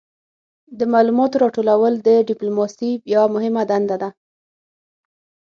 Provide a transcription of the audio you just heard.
د معلوماتو راټولول د ډیپلوماسي یوه مهمه دنده ده